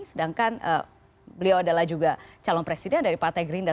sedangkan beliau adalah juga calon presiden dari partai gerindra